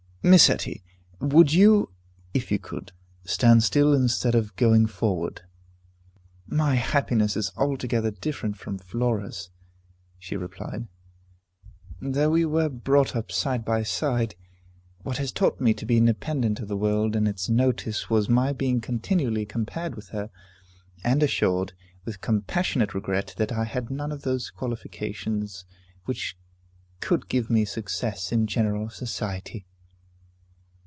"Miss Etty, would you, if you could, stand still instead of going forward?" "My happiness is altogether different from Flora's," she replied, "though we were brought up side by side. What has taught me to be independent of the world and its notice was my being continually compared with her, and assured, with compassionate regret, that I had none of those qualifications which could give me success in general society."